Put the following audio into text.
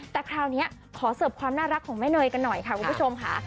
แต่คราวนี้ขอเสิร์ฟความน่ารักของแม่เนยกันหน่อยค่ะคุณผู้ชมค่ะ